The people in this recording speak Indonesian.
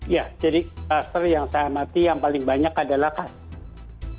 ya jadi kluster yang saya amati yang paling banyak adalah kluster